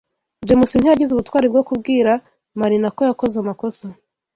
James ntiyagize ubutwari bwo kubwira Marina ko yakoze amakosa.